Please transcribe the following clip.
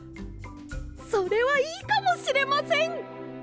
それはいいかもしれません！